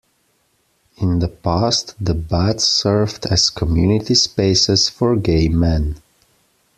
In the past, the baths served as community spaces for gay men.